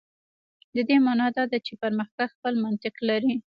د دې معنا دا ده چې پرمختګ خپل منطق لري.